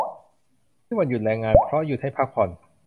ที่หยุดวันแรงงาน เพราะหยุดให้พักผ่อน